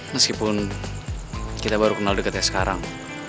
meskipun kita baru kenal dekat ya sekarang